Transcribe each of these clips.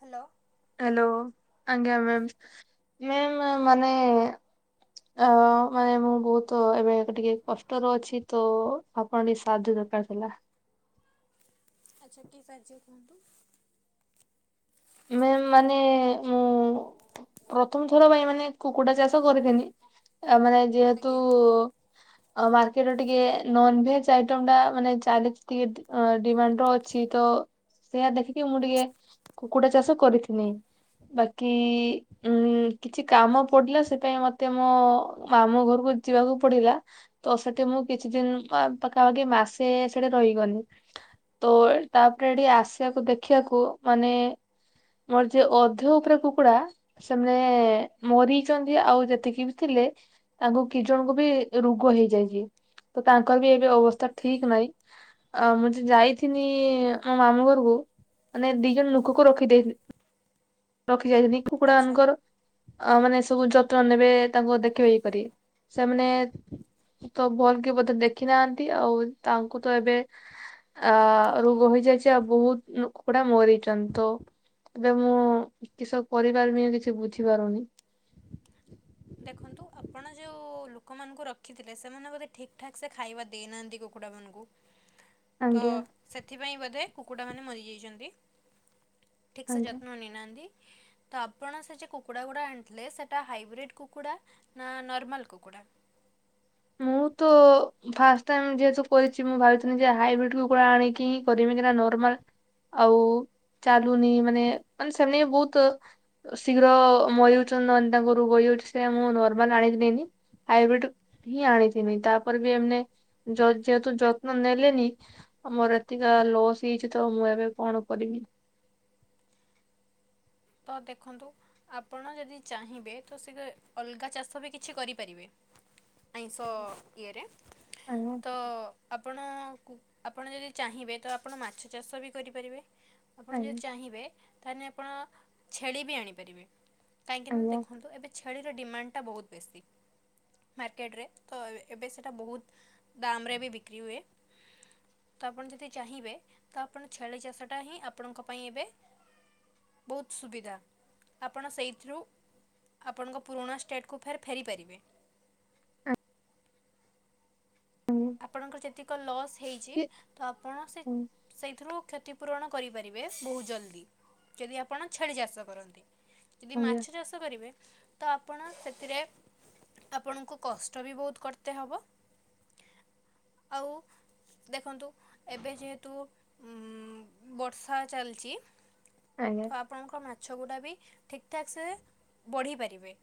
Hello. Hello ଆଜ୍ଞା ma'am ma'am ମାନେ ଅ ମାନେ ମୁଁ ବହୁତ ଏବେ ଟିକେ କଷ୍ଟରେ ଅଛି ତ ଆପଣ ଟିକେ ସାହାଯ୍ୟ କର ଦରକାର ଥିଲା। [inaudible] ଆଚ୍ଛା କି ସାହାଯ୍ୟ କୁହନ୍ତୁ? ମ୍ୟାମ ମାନେ ମୁଁ ପ୍ରଥମ ଥର ପାଇଁ ମାନେ କୁକୁଡା ଚାଷ କରିଥେନି ଏ ମାନେ ଯେହେତୁ ଆଜ୍ଞା। ଆ ମାର୍କେଟ ଟିକେ ନନ୍ ଭେଜ ଆଇଟମ ଟା ମାନେ ଚାଲିଛି ଟିକେ ଡି ଅଁ ଡିମାଣ୍ଡ ର ଅଛି ତ ସେଇଆ ଦେଖିକି ମୁଁ ଟିକେ କୁକୁଡ଼ା ଚାଷ କରିଥିନି ବାକି ଉଁ କିଛି କାମ ପଡିଲା ସେ ପାଇଁ ମତେ ମୋ ମାମୁଁ ଘରକୁ ଯିବାକୁ ପଡିଲା ତ ସେଠି ମୁଁ କିଛି ଦିନ ପା ପାଖାପାଖି ମାସେ ସେଠି ରହିଗନି। ତ ତାପରେ ଏଠି ଆସିବାକୁ ଦେଖିବାକୁ ମାନେ ମୋର ଯେ ଅଧ ଉପରେ କୁକୁଡା ସେମାନେ ମରିଚନ୍ତି ଆଉ ଯେତିକି ବି ଥିଲେ ତାଙ୍କୁ କି ଜଣଙ୍କୁ ବି ରୁଗ ହେଇଯାଇଚି। ତ ତାଙ୍କର ବି ଏବେ ଅବସ୍ଥା ଠିକ୍ ନାହିଁ ଆ ମୁଁ ଯ ଯାଇଥିନି ଆମ ମାମୁଁ ଘରକୁ ମାନେ ଦି ଜଣ ଲୋକକୁ ରଖି ଦେଇ ରଖି ଯାଇଥିଲି କୁକୁଡା ଆଚ୍ଛା। ମାନଙ୍କର ଆ ମାନେ ସବୁ ଯତ୍ନ ନେବେ ତାଙ୍କୁ ଦେଖିବେ ଇଏ‌ କରିବେ ସେମାନେ ତ ଭଲ କି ବୋଧେ ଦେଖି ନାହାନ୍ତି ଆଉ ତାଙ୍କୁ ତ ଏବେ ଆ ରୋଗ ହେଇଯାଇଛି ଆଉ ବହୁତ ନୁ କୁକୁଡା ମରି ଚନ୍ତି ତ ଏବେ ମୁଁ କିସ କରିପାରିବି କିଛି ବୁଝିପାରୁନି। [inaudible] ଦେଖନ୍ତୁ ଆପଣ ଯୋଉ ଲୋକମାନଙ୍କୁ ରଖିଥିଲେ ସେମାନେ ବୋଧେ ଠିକ୍ ଠାକ୍ ସେ ଖାଇବା ଦେଇନାହାନ୍ତି କୁକୁ କୁଡ଼ା ମାନଙ୍କୁ ତ ଆଜ୍ଞା ସେଥିପାଇଁ ବୋଧେ କୁକୁଡ଼ାମାନେ ମରିଯାଇଚନ୍ତି। ଠିକ ସେ ଆଜ୍ଞା। ଯତ୍ନ ନେଇନାହାନ୍ତି ତ ଆପଣ ସେ ଯେ କୁକୁଡା ଗୁଡା ଆଣିଥିଲେ ସେଟା ହାଇବ୍ରିଡ କୁକୁଡ଼ା ନା ନର୍ମାଲ କୁକୁଡ଼ା? ମୁଁ ତ ଫାଷ୍ଟ ଟାଇମ ଯେହେତୁ କରିଛି ମୁଁ ଭାବୁଥିଲି ଯେ ହାଇବ୍ରିଡ କୁକୁଡ଼ା ଆଣିକି ହିଁ କରିବି କାହିଁକି ନା ନର୍ମାଲ ଆଉ ଚାଲୁନି ମାନେ ମାନେ ସେମାନେ ବହୁତ ଶୀଘ୍ର ମରିଯାଉଚନ୍ତି ନହେନେ ତାଙ୍କୁ ରୁଗ ହେଇ [unintelligible] ସେ ମୁଁ ନର୍ମାଲ ଆଣିଲି ଦିଏନି ହାଇବ୍ରିଡ ହିଁ ଆଣିଥିନି ତାପରେ ବି ଏମାନେ ଯ ଯେହେତୁ ଯତ୍ନ ନେଲେନି ଆମର ଏତିକା ତା ଲସ୍ ହେଇଛି ତ ମୁଁ ଏବେ କଣ କରିବି। ତ ଦେଖନ୍ତୁ ଆପଣ ଯଦି ଚାହିଁବେ ତ ସେ ଅଲଗା ଚାଷ ବି କିଛି କରିପାରିବେ। ଆଇଁଷ ଇଏରେ ତ ଆବ୍ ଆପଣ କୁ ଆପଣ ଯଦି ଚାହିଁବେ ତ ଆପଣ ମାଛ ଚାଷ ବି କରିପାରିବେ। ଆପଣ ଯଦି ଚାହିଁବେ ତାହାନେ‌ ଆପଣ ଛେଳି ବି ଆଣିପାରିବେ। କାହିଁକି ନା ଦେଖନ୍ତୁ ଏବେ ଛେଳିର ଡିମାଣ୍ଡ ଟା ବହୁତ ବେଶୀ। ମାର୍କେଟରେ ତ ଏବେ ସେଟା ବହୁତ ଦାମରେ ବି ବିକ୍ରି ହୁଏ। ତ ଆପଣ ଯଦି ଚାହିଁବେ ତ ଆପଣ ଛେଳି ଚାଷଟା ହିଁ ଆପଣଙ୍କ ପାଇଁ ଏବେ ବହୁତ ସୁବିଧା ଆପଣ ସେଇଥିରୁ ଆପଣଙ୍କ ପୁରୁଣା ଷ୍ଟେଟ୍ କୁ ଫେର୍ ଫେରି ପାରିବେ। ଆପଣଙ୍କ ଯେତିକ ଲସ୍ ହେଇଛି ତ ଆପଣ ସେ ସେଇଥିରୁ କ୍ଷତି ପୂରଣ କରିପାରିବେ ବହୁତ ଜଲ୍ଦି ଯଦି ଆପଣ ଛେଳି ଚାଷ କରନ୍ତି। ଯଦି ମାଛ ଚାଷ କରିବେ ତ ଆପଣ ସେଥିରେ ଆପଣଙ୍କୁ କଷ୍ଟ ବି ବହୁତ କରତେ ହବ ଆଉ ଦେଖନ୍ତୁ ଏବେ ଯେହେତୁ ଉଁ ବର୍ଷା ଚାଲିଚି ତ ଆପଣଙ୍କ ମାଛ ଗୁଡା ବି ଠିକ୍ ଠାକ୍ ସେ ବଢ଼େଇ ପାରିବେ।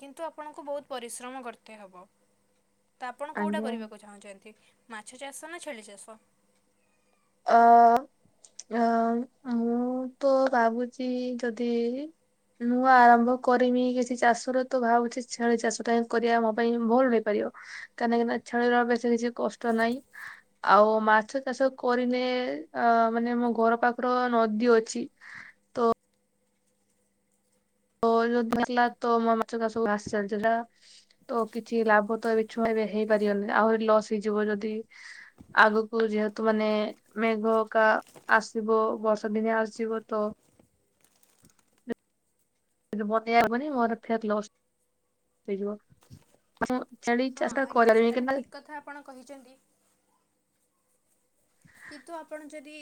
କିନ୍ତୁ ଆପଣଙ୍କୁ ବହୁତ ପରିଶ୍ରମ କରତେ ହେବ। ତ ଆପଣ କୋଉଟା କରିବାକୁ ଚାହୁଁଛନ୍ତି ମାଛ ଚାଷ ନା ଛେଳି ଚାଷ? ଅ [inaudible] ମୁଁ ମୁଁ ତ ଭାବୁଛି ଯଦି ନୂଆ ଆରମ୍ଭ କରିମି କିଛି ଚାଷର ତ ଭାବୁଛି ଛେଳି ଚାଷଟା କରିବା ମୋ ପାଇଁ ଭଲ ବେପାରି ୟ କାହିଁକି ନା କାହଁକି ନା ମାଛର ବେଶି କିଛି କଷ୍ଟ ନାହିଁ ଆଉ ମାଛ ଚାଷ କରିନେ ଅ ମାନେ ମୋ ଘର ପାଖର ନଦୀ ଅଛି ତ ତ ଯଉଦିନ ଆସିଲା ତ ମୋ ମାଛ ଚାଷ ସବୁ ଭାସି ଚାଲିଥିଲା ତ କିଛି ଲାଭ ତ ଏବେ ଛୁଆଁ ଏବେ ହେଇପାରି [unintelligible] ଆହୁରି ଲସ୍ ହେଇଯିବ ଯଦି ଆଗକୁ ଯେହେତୁ ମାନେ ମେଘ କା ଆସିବ ବର୍ଷା ଦିନିଆ ଆସିବ ତ [unintelligible] ମୋର ଫେର୍ ଲସ୍ ହେଇଯିବ ମାକ୍ସିମମ୍ ହଁ ଆଜ୍ଞା, ସେଟା ବି ଠିକ୍ କଥା ଆପଣ କହିଛନ୍ତି। କିନ୍ତୁ ଆପଣ ଯଦି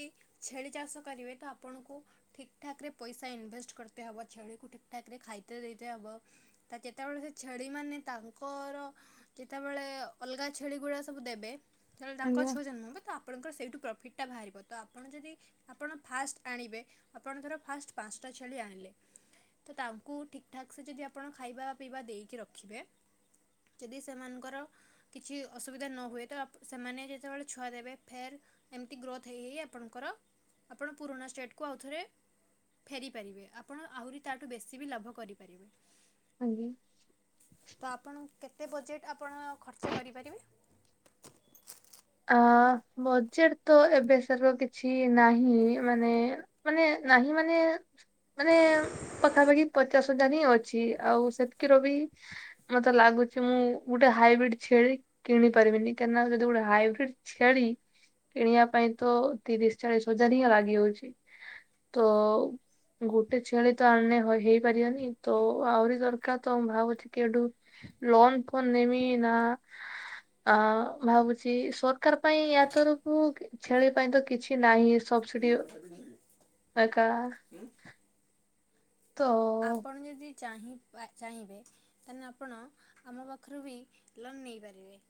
ଛେଳି ଚାଷ କରିବେ ତ ଆପଣଙ୍କୁ ଠିକ୍ ଠାକ୍ ରେ ପଇସା ଇନଭେଷ୍ଟ କ କରତେ ହବ ଛେଳି କୁ ଠିକ୍ ଠାକ୍ ରେ ଖାଇତେ ଦେଇତେ ହବ। ତ ଯେତେବେଳେ ସେ ଛେଳି ମାନ ତାଙ୍କର ଯେତେବେଳେ ଅଲଗା ଛେଳି ଗୁଡା ସବୁ ଦେବେ ଯେତେବେଳେ ତାଙ୍କ ଆଜ୍ଞା ଛୁଆ ଜନ୍ମ ହବ ତ ଆପଣଙ୍କର ସେଇଠୁ ପ୍ରଫିଟ୍ଟା ବାହାରିବ ତ ଆପଣ ଯଦି ଆପଣ ଫାଷ୍ଟ ଆଣିବେ, ଆପଣ ଧର ଫାଷ୍ଟ ପାଞ୍ଚଟା ଛେଳି ଆଣି ଲେ ତ ତାଙ୍କୁ ଠିକ୍ ଠାକ୍ ସେ ଯଦି ଆପଣ ଖାଇବା ପିଇବା ଦେଇକି ରଖିବେ ଯଦି ସେମାନଙ୍କର କିଛି ଅସୁବିଧା ନ ହୁଏ ତ ଆପ୍ ସେମାନେ ଯେତେବେଳେ ଛୁଆ ଦେବେ ଫେର୍ ଏମିତି ଗ୍ରୋଥ୍ ହେଇ ହେଇ ଆପଣଙ୍କର ଆପଣ ପୁରୁଣା ଷ୍ଟେଟ୍ କୁ ଆଉଥରେ ଫେରି ପାରିବେ ଆପଣ ଆହୁରି ତାଠୁ ବେଶୀ ବି ଲାଭ କରିପାରିବେ। ଆଜ୍ଞା। ତେ ବଜେଟ୍ ଆପଣ ଖର୍ଚ୍ଚ କରିପାରିବେ? ଅ ବଜେଟ ତ ଏବେ ସାର କିଛି ନାହିଁ ମାନେ ମାନେ ନାହିଁ ମାନେ ମାନେ ପାଖାପାଖି ପଚାଶ ହଜାର ହିଁ ଅଛି ଆଉ ସେତିକି ର ବି ମତେ ଲାଗୁ ଗୁଛି ମୁଁ ଗୋଟେ ହାଇବ୍ରିଡ ଛେଳି କିଣି ପାରିବିନି କାହିଁକି ନା ଯଦି ଗୋଟେ ହାଇ ବ୍ରିଡ୍ ଛେଳି କିଣିବା ପାଇଁ ତ ତିରିଶ ଚାଳିଶ ହଜାର ହିଁ ଲାଗି ଯାଉଛି। ତ ଗୋଟେ ଛେଳି ତ ଆଣିଲେ ହଇ ହେଇପାରିବନି ତ ଆହୁରି ଦରକାର ତ ମୁଁ ଭାବୁଛି କି ଏଠୁ ଲୋନ୍ ଫୋନ ନେମି ନା ଅ ଭାବୁଚି ସରକାର ପାଇଁ ୟା ତରଫରୁ କି ଛେଳି ପାଇଁ ତ କିଛି ନାହିଁ। ସବସିଡ୍ ହେରିକା। ଆପଣ ଯଦି ଚାହିଁ-ଚାହିଁବେ ତାହେନେ ଆପଣ ଆମ ପାଖରୁ ବି ଲୋନ୍ ନେଇପାରିବେ।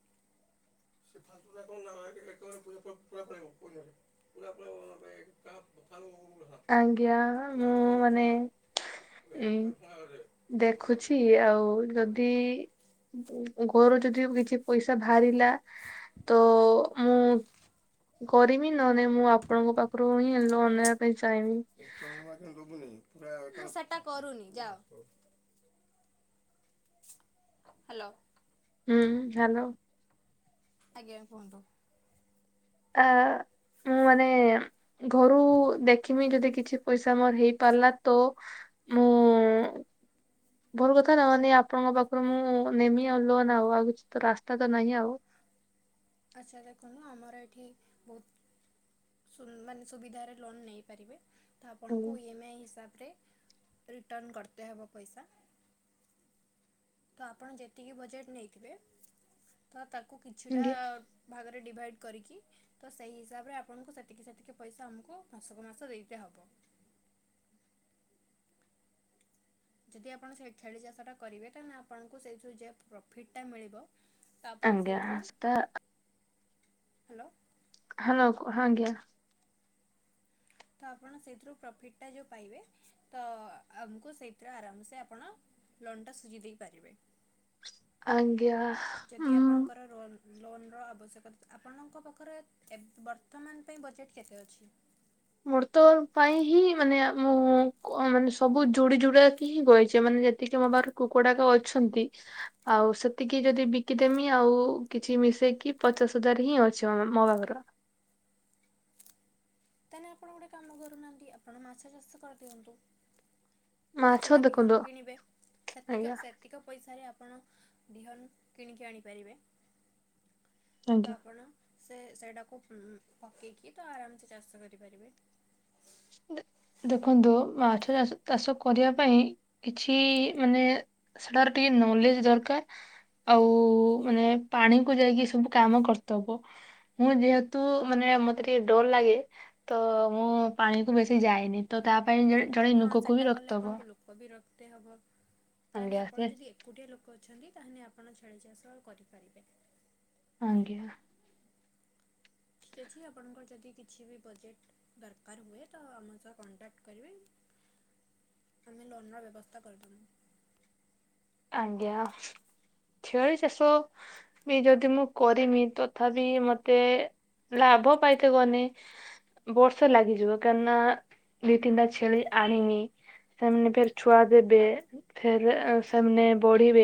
[unintelligible] ହାଲୋ। ଆଜ୍ଞା ମୁଁ ମାନେ ମୁଁ ଏଇ ଦେଖୁଛି ଆଉ ଯଦି [unintelligible] ମୋର ଯଦି କିଛି ପଇସା ବାହାରିଲା ତୋ ମୁଁ କରିମି ନହେନ ମୁଁ ଆପଣଙ୍କ ପାଖରୁ ହିଁ ଲୋନ୍ ନବା ପାଇଁ ଚାହିଁବି। [unintelligible] ମୁଁ ସେଟା କରୁନି ଯାଅ। ହାଲୋ। ହୁଁ ହ୍ୟାଲୋ। ଆଜ୍ଞା କୁହନ୍ତୁ। ଆ ମୁଁ ମାନେ ଘରୁ ଦେଖମି ଯଦି କିଛି ପଇସା ମୋର ହେଇ ପାରିଲା ତ ମୁଁ ଭଲ କଥା ନା ମାନେ ଆପଣଙ୍କ ପାଖରୁ ମୁଁ ନେମି ଆଉ ଲୋନ୍ ଆଉ ଆଉ କିଛି ତ ରାସ୍ତା ତ ନାହିଁ ଆଉ। ଆଛା ଦେଖନ୍ତୁ ଆମର ଏଠି ବୋହୁତ୍ ଶୁ ମାନେ ସୁବିଧାରେ ଲୋନ ନେଇପାରିବେ। ତ ଆପଣଙ୍କୁ ଇ ଏମ୍ ଆଇ ହିସାବରେ ରିଟର୍ଣ କର୍ତେ ହବ ପଇସା। ତ ଆପଣ ଯେତିକି ବଜେଟ ନେଇଥିବେ ତ ତା କୁ କିଛିଟା ଆଜ୍ଞା ଭଗରେ ଡିଭାଇଡ୍ କରିକି ତ ସେଇ ହିସାବରେ ଆପଣଙ୍କୁ ସେତିକି ସେତିକି ପଇସା ଆମକୁ ମାସକ ମାସ ଦେଇଦିଆ ହବ। ଯଦି ଆପଣ ସେଇ ଛେଳି ଚାଷ ଟା କରିବେ ତାହେଲେ ଆପଣଙ୍କୁ ସେଥିରୁ ଯେ ପ୍ରଫିଟ ଟା ମିଳିବ ତ ଆଜ୍ଞା ଆସ୍ ସେତା ହାଲୋ। ହାଲୋ ହଁ ଆଜ୍ଞା। ତ ଆପଣ ସେଥିରୁ ପ୍ରଫିଟ୍ ଟା ଯୋଉ ପାଇବେ। ତ ଆମକୁ ସେଥି ଆରାମ ସେ ଆପଣ ଲଣ୍ଟା ସୁଝି ଦେଇ ପାରିବେ। ଆଜ୍ଞା। ଯଦି ଉଁ ଆପଣଙ୍କର ରୋନ୍ ଲୋନର ଆବଶ୍ୟକତା ଆପଣଙ୍କ ପାଖରେ ଏବ୍ ବର୍ତ୍ତମାନ୍ ପାଇଁ ବଜେଟ୍ କେତେ ଅଛି? ମୋର ତ ପାଇଁ ହିଁ ମାନେ ମୁଁ କଣ ମାନେ ସବୁ ଯୋଡି ଯୁଡାକି ହିଁ ବଇଚେ ମାନେ ଯେତିକି ମୋ ପାଖରେ କୁକୁଡାକ ଅଛନ୍ତି ଆଉ ସେତିକି ଯଦି ବିକିଦେମି ଆଉ କିଛି ମିଶେଇକି ପଚାଶ ହଜାର ହିଁ ଅଛି ମୋ ପାଖର। ତାହେଲେ ଅପଣ ଗୋଟେ କାମ କରୁନାହାନ୍ତି ଆଣ ମାଛ ଚାଷ କରିଦିଅନ୍ତୁ। ମାଛ କିଛିଟା ଦେଖନ୍ତୁ ବିହନ କିଣିବେ। ସେତି ଆଜ୍ଞା। ସେତିକ ପଇସାରେ ଆପ୍ ପଣ ବିହନ କିଣିକି ଆଣିପାରିବେ। ତ ଆଜ୍ଞା। ଆପଣ ସେ ସେଇଟାକୁ ପକେଇକି ତ ଆରାମ ସେ ଚାଷ କରିପାରିବେ। ଦେ ଦେଖନ୍ତୁ ମାଛ ଚାଷ ତାଷ କରିବା ପାଇଁ କିଛି ମାନେ ସେଟାରେ ଟିକେ ନଲେଜ ଦରକାର। ଆଉ ମାନେ ପାଣି କୁ ଯାଇକି ସବୁ କାମ କର୍ତେ ହବ ମୁଁ ଯେହେତୁ ମାନେ ମତେ ଟିକେ ଡର ଲାଗେ ତ ମୁଁ ପାଣିକୁ ବେଶି ଯାଏନି ତ ତା ପାଇଁ ଜଣେ ଜଣେ ନୁକକୁବି ରଖିତେ ହବ। ତେ ହବ ତାହାନେ ଆପଣ ଯଦି ଏକୁଟିଆ ଲୋକ ଅଛନ୍ତି ତାହେଲେ ଆପଣ ଛେଳି ଚାଷ କରିପାରିବେ। ଆଜ୍ଞା। ଠିକ ଅଛି ଆପଣଙ୍କର ଯଦି କିଛି ବି ବଜେଟ ଦରକାର ହୁଏ ତ ଆମ ସହ କଣ୍ଟାକ୍ଟ କରିବେ। ଆମେ ଲୋନର ବ୍ୟବସ୍ଥା କରିଦବୁ। ଆଜ୍ଞା। ଛେଳି ଚାଷ ବି ଯଦି ମୁଁ କରିନି ତଥାପି ମତେ ଲାଭ ପାଇଥିବନି ବର୍ଷେ ଲାଗିଯିବ କାରଣ ଦିଇ ତିନିଟା ଛେଳି ଆଣିିନି ସେମାନେ ଫେର ଛୁଆ ଦେବେ ଫେରେ ସେମାନେ ବଢିବେ।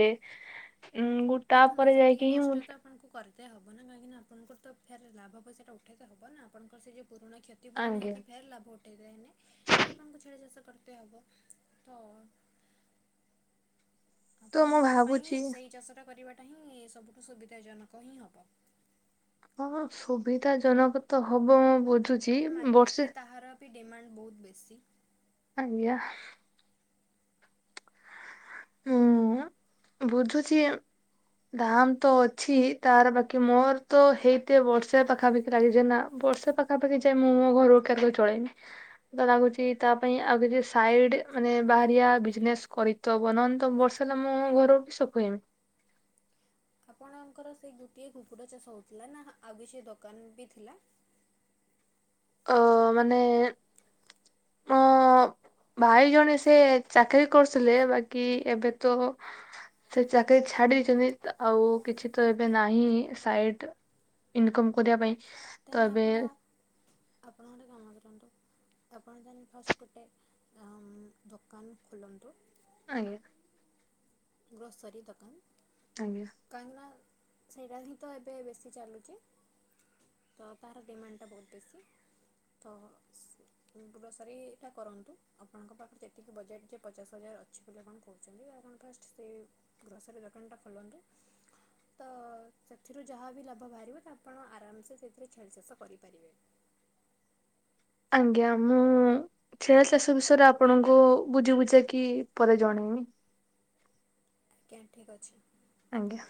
ଉଁ ଦେଖନ୍ତୁ ତାପରେ ଯାଇକି ସେତିକି ହିଁ ମୁଁ କଷ୍ଟ ତ ଆପଣଙ୍କୁ କରି ତେ ହବ ନା କାହିଁକିନା ଆପଣଙ୍କୁ ତ ଫେରେ ଲାଭ ପଇସା ଉଠେଇତ ହବ ନା ଆପଣଙ୍କର ସେ ଯୋଉ ପୁରୁଣା କ୍ଷତିପୂରଣ ଆଙ୍ଗେ ହେଇକି ଫେର ଲାଭ ଟେଦାଇନି ତ ଆପଣଙ୍କୁ ଛେଳି ଚାଷ କରି ତେ ହବ ତ ତ ମୁଁ ଆପଣଙ୍କ ପାଇଁ ଭାବୁଛି ସେଇ ଚାଷ ଟା କରିବା ଟା ହିଁ ସବୁଠୁ ସୁବିଧା ଜନକ ହିଁ ହବ। ହଁ ସୁବିଧା ଜନକ ତ ହବ ମୁଁ ବୁଝୁଛି ବର୍ଷେ ବିି ଡିମାଣ୍ଡ ବହୁତ ବେଶୀ। ଆଜ୍ଞା। ହୁଁ ନା ବୁଝୁଛି ଦାମ ତ ଅଛି ତାର ବାକି ମର ତ ହେଇତେ ବରଶେ ପାଖାପଖି ଲାଗିଜି ନା। ବର୍ଷେ ପାଖା ପାଖି ଯାଏ ମୁଁ ମୋ ଘରକୁ କେବେ ଚଳେଇନି ତ ଲାଗୁଛି ତା ପାଇଁ ଆଉ କିଛି ସାଇଡ [unintelligible] [unintelligible] ସୁକେଇ ମି। ଆପଣଙ୍କର ସେଇ ଗୋଟିଏ କୁକୁଡ଼ା ଚାଷ ହଉଥିଲା ନା ଆଉ କିଛି ଦୋକାନ ବି ଥିଲା। ଅ ମାନେ ମୋ ଭାଇ ଜଣେ ସେ ଚାକିରୀ କରୁଥିଲେ ବାକି ଏବେ ତ ସେ ଚାକିରି ଛାଡିଛନ୍ତି ତ ଆଉ କିଛି ତ ଏବେ ନାହିଁ ସାଇଟ୍ ଇନିକମ କରିବା ପାଇଁ ତାହେଲେ ତ ଏବେ ଆପଣ [unintelligible] ଆପଣ ତା ଫାଷ୍ଟ ଗୋଟେ ଆଁ ଦୋକାନ ଖୋଲନ୍ତୁ। ଆଜ୍ଞା। ଗ୍ରୋସରି ସାରୀ ଦୋକାନ ଆଜ୍ଞା କାହିଁକ ସେଇଟା ହିଁ ତ ଏବେ ବେଶୀ ଚାଲୁଛି। ତ ତାର ଡିମାଣ୍ଡଟା ବହୁତ ବେଶୀ। ତ ଗୋସରୀ ଟା କରନ୍ତୁ ଆପଣଙ୍କ ପାଖରେ ଯେତିକି ବଜେଟ ଯେ ପଚାଶ ହଜାର ଅଛି ଯଦି ଆପଣ କହୁଛନ୍ତି ଆପଣ ଫାଷ୍ଟ ସେ ଗ୍ରୋଷରି ଦୋକାନ ଟା ଖୋଲନ୍ତୁ। ତ ସେଥିରୁ ଯାହା ବି ଲାଭ ବାହାରିବ ଆପଣ ଆରାମ ସେ ସେଥିରେ ଛେଳି ଚାଷ କରିପାରିବେ। [inaudible] ଆଜ୍ଞା ମୁଁ ଛେଳି ଚାଷ ବିଷୟରେ ଆପଣଙ୍କୁ ବୁଝି ବୁଝା କିି ପରେ ଜଣେଇ ପୁଣି ଆଜ୍ଞା ଠିକ୍ ଅଛି। ଆଜ୍ଞା।